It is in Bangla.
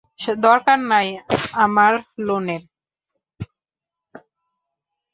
দরকার নাই আমার লোনের।